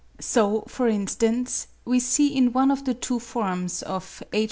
So, for instance, we see in one of the two forms of H.